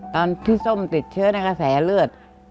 ตอนพี่ส้มติดเชื้อในกระแสเลือด